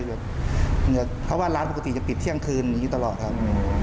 เพราะว่าร้านปกติจะปิดเที่ยงคืนตลอดครับ